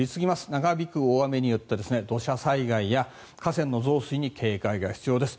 長引く大雨によって土砂災害や河川の増水に警戒が必要です。